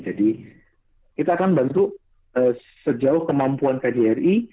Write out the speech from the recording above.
jadi kita akan bantu sejauh kemampuan kjri